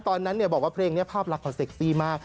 ตอนนั้นบอกว่าเพลงนี้ภาพลักษณ์เขาเซ็กซี่มาก